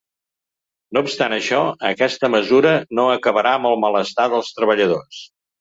No obstant això, aquesta mesura no acabarà amb el malestar dels treballadors.